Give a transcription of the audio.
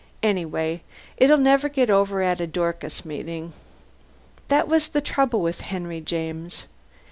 Anyway, it'll never get over at a Dorcas meeting. That was the trouble with Henry James.